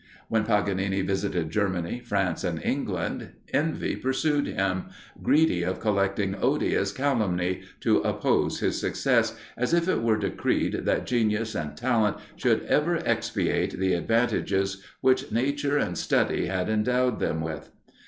When Paganini visited Germany, France, and England, envy pursued him, greedy of collecting odious calumny, to oppose his success, as if it were decreed that genius and talent should ever expiate the advantages which nature and study had endowed them with.